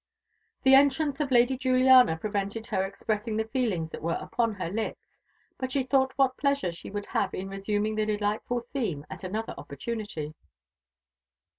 The entrance of Lady Juliana prevented her expressing the feelings that were upon her lips; but she thought what pleasure she would have in resuming the delightful theme at another opportunity.